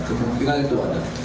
kemungkinan itu ada